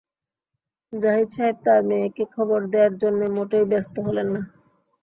জাহিদ সাহেব তাঁর মেয়েকে খবর দেয়ার জন্যে মোটেই ব্যস্ত হলেন না।